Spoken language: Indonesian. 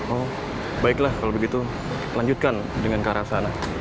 oh baiklah kalau begitu lanjutkan dengan ke arah sana